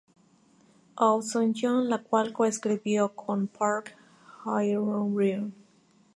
Oh Soo-jung, la cual co-escribió con Park Hye-ryun.